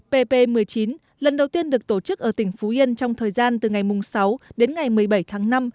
pp một mươi chín lần đầu tiên được tổ chức ở tỉnh phú yên trong thời gian từ ngày sáu đến ngày một mươi bảy tháng năm